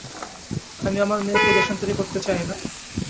আমি আমার মেয়েকে দেশান্তরী করতে চাই না।